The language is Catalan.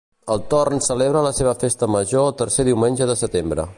El Torn celebra la seva festa major el tercer diumenge de setembre.